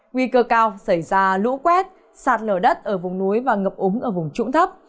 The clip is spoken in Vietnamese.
nguy cơ cao xảy ra lũ quét sạt lở đất ở vùng núi và ngập úng ở vùng trũng thấp